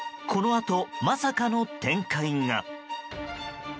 このあと、まさかの展開が。